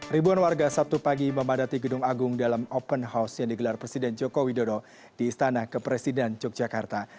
ribuan warga sabtu pagi memadati gedung agung dalam open house yang digelar presiden joko widodo di istana kepresiden yogyakarta